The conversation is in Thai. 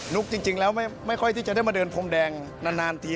จริงแล้วไม่ค่อยที่จะได้มาเดินพรมแดงนานที